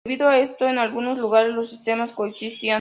Debido a eso, en algunos lugares los sistemas coexistían.